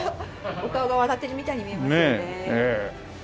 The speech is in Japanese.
お顔が笑ってるみたいに見えますよね。